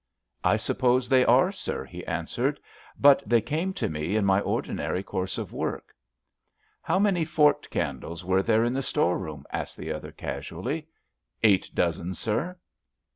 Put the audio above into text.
"I suppose they are, sir," he answered, "but they came to me in my ordinary course of work." "How many fort candles were there in the storeroom?" asked the other, casually. "Eight dozen, sir."